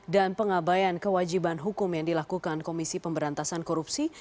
dan pengabayan kewajiban hukum yang dilakukan komisi pemberantasan korupsi